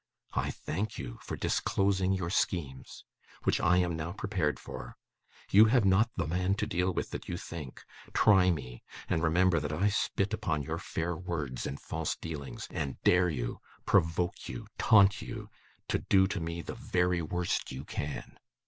I thank you for disclosing your schemes, which I am now prepared for. You have not the man to deal with that you think; try me! and remember that I spit upon your fair words and false dealings, and dare you provoke you taunt you to do to me the very worst you can!